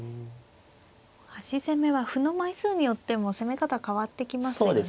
端攻めは歩の枚数によっても攻め方変わってきますよね。